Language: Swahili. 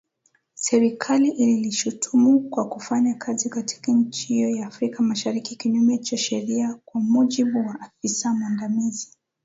Serikali ililishutumu kwa kufanya kazi katika nchi hiyo ya Afrika Mashariki kinyume cha sheria, kwa mujibu wa afisa mwandamizi